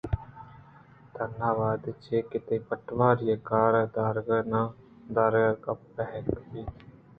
تنا وہدءَچہ کہ تئی پٹواری ءِ کارءَ دارگ ءُنہ دارگ ء ِ گپ پہک بہ بیت